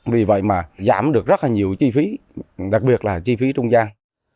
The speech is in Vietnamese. vì vậy mà giảm được rất là nhiều chi phí đặc biệt là chi phí trung gian